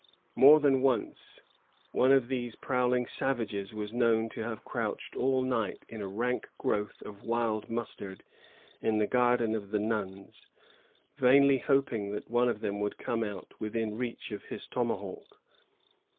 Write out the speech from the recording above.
More than once one of these prowling savages was known to l«er «l.] PERIL OP THE NUNS. 109 have crouched all night in a rank growth of wild mustard in the garden of the nuns, vainly hoping that one of them would come out within reach of his tomahawk.